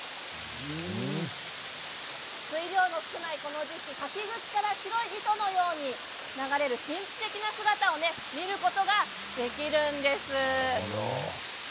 水量の少ないこの時期滝口から白い糸のように流れる神秘的な姿を見ることができるんです。